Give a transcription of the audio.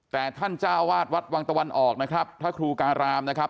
แต่ท่านเจ้าวาดวัดวังตะวันออกนะครับพระครูการามนะครับ